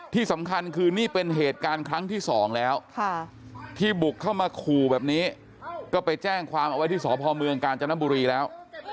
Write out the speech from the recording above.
ที่สำคัญคือนี่เป็นเหตุการณ์ครั้งที่สองแล้วที่บุกเข้ามาขู่แบบนี้ก็ไปแจ้งความเอาไว้ที่สพเมืองกาญจนบุรีแล้ว